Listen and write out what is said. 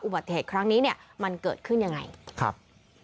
อุบัติเหตุครั้งนี้เนี่ยมันเกิดขึ้นยังไงครับ